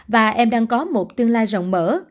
và em đang có một tương lai rộng mở